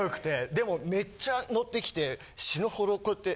でもめっちゃノッてきて死ぬほどこうやって。